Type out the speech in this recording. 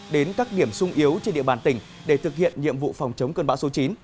đến các điểm sung yếu trên địa bàn tỉnh để thực hiện nhiệm vụ phòng chống cơn bão số chín